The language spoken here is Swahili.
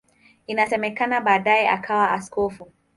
Inasemekana baadaye akawa askofu.